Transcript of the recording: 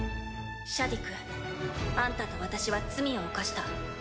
シャディクあんたと私は罪を犯した。